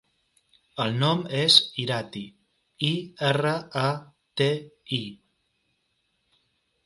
El nom és Irati: i, erra, a, te, i.